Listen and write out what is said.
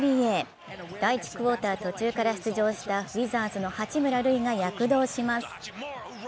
第１クオーター途中から出場したウィザーズの八村塁が躍動します。